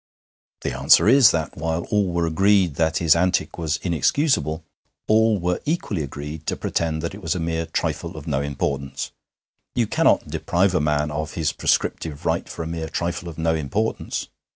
The answer is, that while all were agreed that his antic was inexcusable, all were equally agreed to pretend that it was a mere trifle of no importance; you cannot deprive a man of his prescriptive right for a mere trifle of no importance.